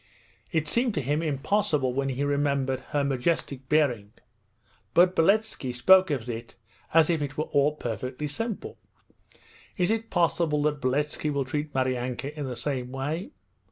It seemed to him impossible when he remembered her majestic bearing. But Beletski spoke of it as if it were all perfectly simple. 'Is it possible that Beletski will treat Maryanka in the same way?